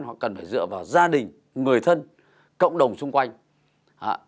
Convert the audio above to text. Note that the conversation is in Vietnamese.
họ cần phải dựa vào gia đình người thân cộng đồng xung quanh